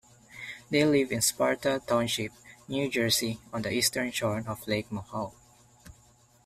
They live in Sparta Township, New Jersey, on the eastern shore of Lake Mohawk.